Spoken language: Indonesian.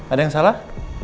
ada yang salah